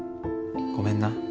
ごめんな。